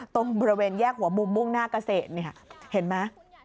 ตรงบริเวณแยกหัวมุมมุ่งหน้ากระเสธนี่ค่ะเห็นมั้ย